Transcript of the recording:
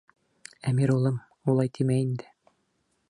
Әмир улым, улай тимә инде.